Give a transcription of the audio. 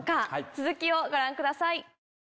続きをご覧ください。